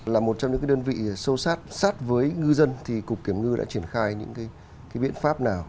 là một trong những đơn vị sâu sát sát với ngư dân thì cục kiểm ngư đã triển khai những cái biện pháp nào